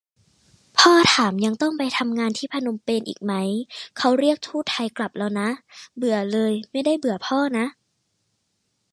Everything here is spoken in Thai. พ่อถาม ยังต้องไปทำงานที่พนมเปญอีกมั๊ย ? เค้าเรียกทูตไทยกลับแล้วนะ - เบื่อเลย ไม่ได้เบื่อพ่อนะ